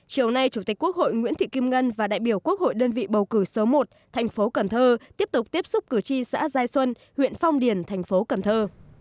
chiều nay chủ tịch quốc hội nguyễn thị kim ngân và đại biểu quốc hội đơn vị bầu cử số một thành phố cần thơ tiếp tục tiếp xúc cử tri xã giai xuân huyện phong điền thành phố cần thơ